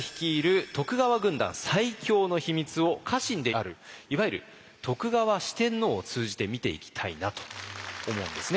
「徳川軍団最強の秘密」を家臣であるいわゆる徳川四天王を通じて見ていきたいなと思うんですね。